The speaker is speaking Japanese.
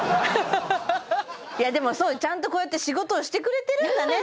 ハハハいやでもそうよちゃんとこうやって仕事してくれてるんだねうん